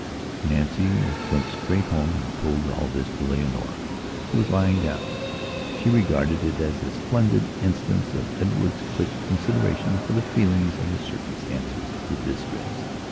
Nancy went straight home and told all this to Leonora who was lying down. She regarded it as a splendid instance of Edward's quick consideration for the feelings and the circumstances of the distressed.